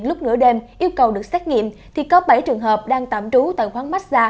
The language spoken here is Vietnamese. lúc nửa đêm yêu cầu được xét nghiệm thì có bảy trường hợp đang tạm trú tài khoản mát xa